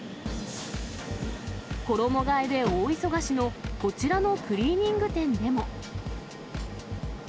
衣がえで大忙しのこちらのクリーニング店でも。